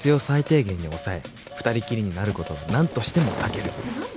最低限に抑え二人きりになることを何としても避ける何？